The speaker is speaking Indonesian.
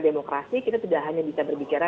demokrasi kita tidak hanya bisa berbicara